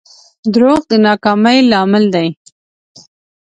دروغ د ناکامۍ لامل دي.